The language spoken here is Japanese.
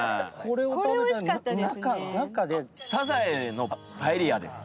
サザエのパエリアです。